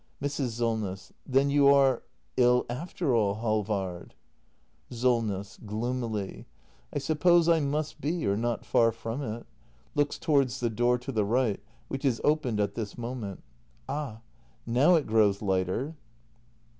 Mrs. Solness. Then you are — ill after all, Halvard. Solness. [Gloomily.] I suppose I must be — or not far from it. [Looks towards the door to the right, which is opened at this moment.] Ah! now it grows lighter.